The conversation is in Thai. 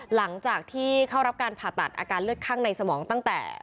หลังจากที่เข้ารับการผ่าตัดอาการเลือดข้างในสมองตั้งแต่